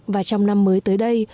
và trong năm mới tới đây